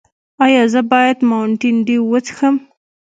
ایا زه باید ماونټین ډیو وڅښم؟